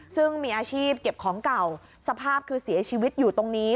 ซึ่งมีอาชีพเก็บของเก่าสภาพคือเสียชีวิตอยู่ตรงนี้